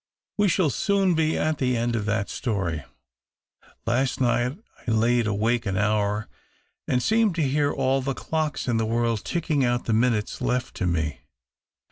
"We shall soon be at the end of that story. Last night I laid awake an hour and seemed to hear all the clocks in the world tickino^ out the minutes left to me.